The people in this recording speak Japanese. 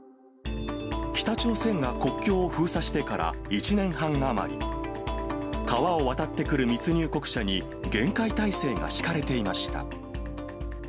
北朝鮮が国境を封鎖してから１年半余り、川を渡ってくる密入国者に厳戒態勢が敷かれていました。